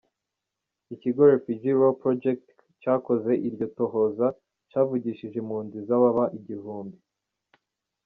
Ikigo "Refugee Law Project" cakoze iryo tohoza, cavugishije impunzi zababa igihumbi.